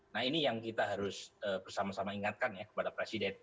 nah ini yang kita harus bersama sama ingatkan ya kepada presiden